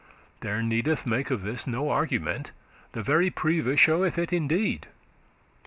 There needeth make of this no argument; The very preve* sheweth it indeed.